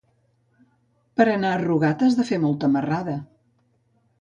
Per anar a Rugat has de fer molta marrada.